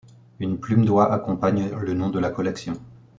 Une plume d'oie accompagne le nom de la collection.